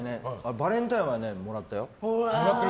バレンタインはもらったよ。